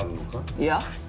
いや。